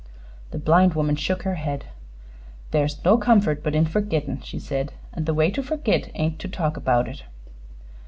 The blind woman shook her head. "There's no comfort but in forgettin'," she said; "an' the way to forgit ain't to talk about it."